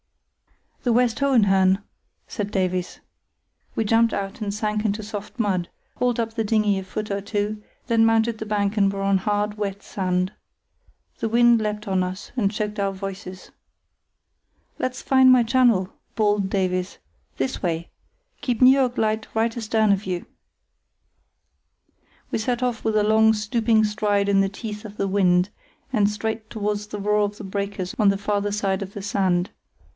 "The West Hohenhörn," said Davies. We jumped out and sank into soft mud, hauled up the dinghy a foot or two, then mounted the bank and were on hard, wet sand. The wind leapt on us, and choked our voices. "Let's find my channel," bawled Davies. "This way. Keep Neuerk light right astern of you." We set off with a long, stooping stride in the teeth of the wind, and straight towards the roar of the breakers on the farther side of the sand.